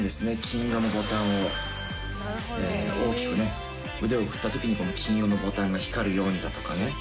金色のボタンを大きくね腕を振った時にこの金色のボタンが光るようにだとかね。